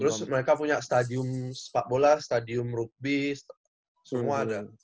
terus mereka punya stadium sepak bola stadium rugby semua ada